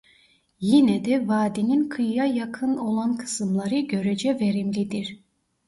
Yine de vadinin kıyıya yakın olan kısımları görece verimlidir.